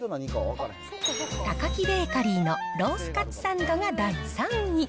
タカキベーカリーのロースカツサンドが第３位。